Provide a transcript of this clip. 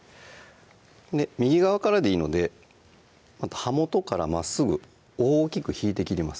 右側からでいいので刃元からまっすぐ大きく引いて切ります